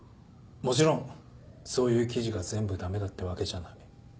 もちろんそういう記事が全部駄目だってわけじゃない。